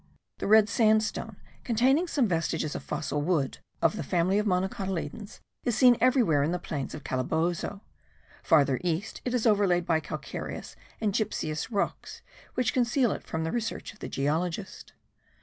The red sandstone, containing some vestiges of fossil wood (of the family of monocotyledons) is seen everywhere in the plains of Calabozo: farther east it is overlaid by calcareous and gypseous rocks which conceal it from the research of the geologist.